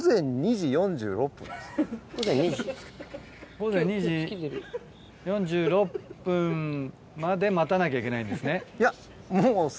午前２時４６分まで待たなきゃいけないんですね。